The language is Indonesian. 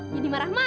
jadi marah marah deh